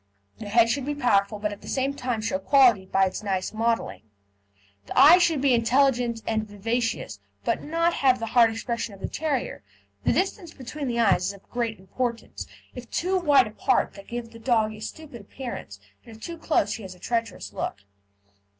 The head should be powerful, but at the same time show quality by its nice modelling. The eyes should be intelligent and vivacious, but not have the hard expression of the terrier. The distance between the eyes is of great importance; if too wide apart they give the dog a stupid appearance, and if too close he has a treacherous look.